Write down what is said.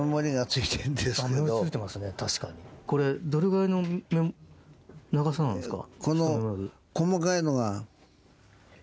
これどれくらいの長さなんですか？